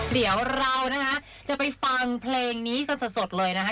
เดี๋ยวเรานะคะจะไปฟังเพลงนี้กันสดเลยนะคะ